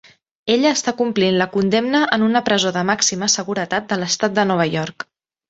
Ella està complint la condemna en una presó de màxima seguretat de l'estat de Nova York.